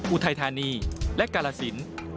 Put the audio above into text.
อุทัยธานีและกาลสิน